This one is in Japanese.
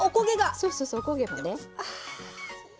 そうそうそうお焦げがね。